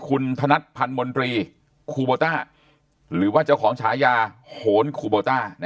คุณธนัดพันธ์มนตรีคูโบต้าหรือว่าเจ้าของฉายาโหนคูโบต้า